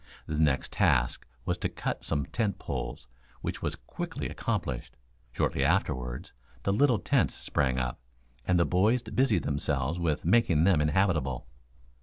The next task was to cut some tent poles, which was quickly accomplished. Shortly afterwards, the little tents sprang up, and the boys busied themselves with making them inhabitable.